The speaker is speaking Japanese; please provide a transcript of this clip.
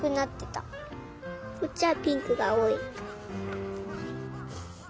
こっちはピンクがおおい。